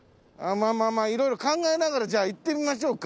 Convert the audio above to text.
まぁまぁまぁいろいろ考えながらじゃあ行ってみましょうか。